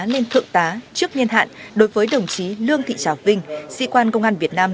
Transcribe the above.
lên thượng tá trước nhiên hạn đối với đồng chí lương thị trào vinh sĩ quan công an việt nam